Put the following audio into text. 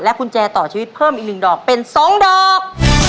กุญแจต่อชีวิตเพิ่มอีก๑ดอกเป็น๒ดอก